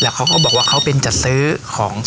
เขาก็บอกว่าเขาเป็นจัดซื้อของ